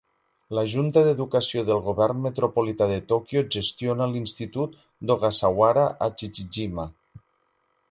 La Junta d'Educació del Govern Metropolità de Tòquio gestiona l'institut d'Ogasawara a Chichijima.